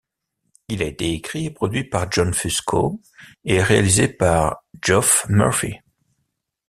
Il a été écrit et produit par John Fusco et réalisé par Geoff Murphy.